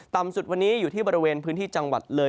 ต่ำสุดวันนี้อยู่ที่บริเวณพื้นที่จังหวัดเลย